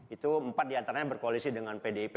itu empat diantaranya berkoalisi dengan pdip